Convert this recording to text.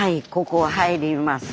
ここ入ります。